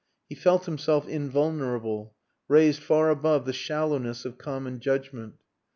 He felt himself invulnerable raised far above the shallowness of common judgment.